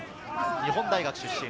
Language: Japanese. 日本大学出身。